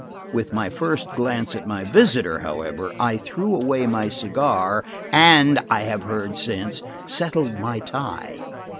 With my first glance at my visitor, however, I threw away my cigar, and I have heard since, settled my tie.